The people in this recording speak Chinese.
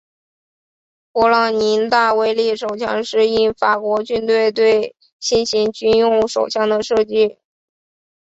勃朗宁大威力手枪是应法国军队对新型军用手枪的要求而设计的。